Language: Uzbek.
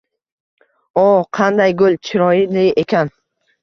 – O! Qanday gul! Chiroyli ekan! –